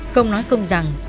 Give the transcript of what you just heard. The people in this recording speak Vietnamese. không nói không rằng